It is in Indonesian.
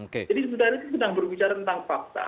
jadi isbuta harim sedang berbicara tentang fakta